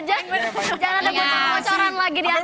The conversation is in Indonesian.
jangan ada bocor bocoran lagi diantara